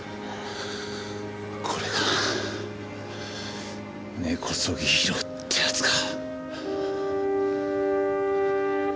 これが「根こそぎ拾う」ってやつか。